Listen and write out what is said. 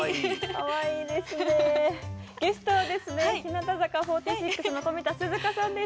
ゲストはですね日向坂４６の富田鈴花さんです。